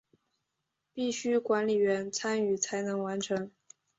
必须管理员参与才能完成。